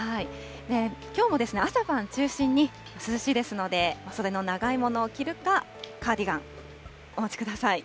きょうも朝晩中心に涼しいですので、袖の長いものを着るか、カーディガン、お持ちください。